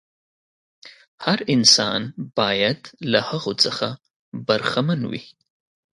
هر انسان باید له هغو څخه برخمن وي.